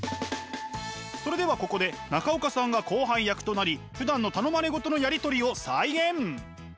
それではここで中岡さんが後輩役となりふだんの頼まれ事のやり取りを再現！